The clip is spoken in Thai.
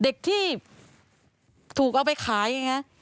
เด็กที่ถูกเอาไปขายไงครับ